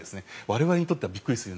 我々にとってはびっくりする。